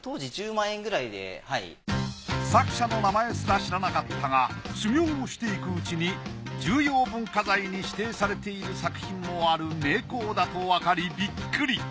たしか当時作者の名前すら知らなかったが修行をしていくうちに重要文化財に指定されている作品もある名工だとわかりビックリ。